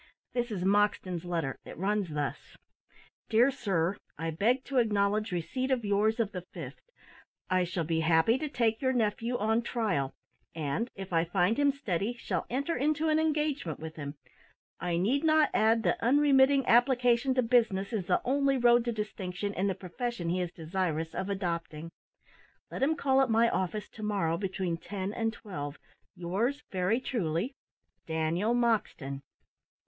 "This is Moxton's letter. It runs thus "`Dear Sir, I beg to acknowledge receipt of yours of the 5th inst. I shall be happy to take your nephew on trial, and, if I find him steady, shall enter into an engagement with him, I need not add that unremitting application to business is the only road to distinction in the profession he is desirous of adopting. Let him call at my office to morrow between ten and twelve. Yours very truly, Daniel Moxton.'"